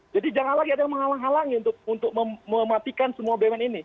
jadi jangan lagi ada yang menghalang halangi untuk mematikan semua bumn ini